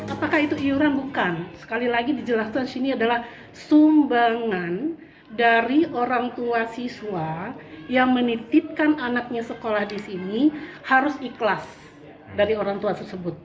apakah itu iuran bukan sekali lagi dijelaskan di sini adalah sumbangan dari orang tua siswa yang menitipkan anaknya sekolah di sini harus ikhlas dari orang tua tersebut